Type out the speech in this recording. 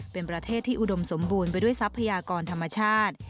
เป็นประเทศที่อุดมสมบูรณ์ไปด้วยทรัพยากรธรรมชาติ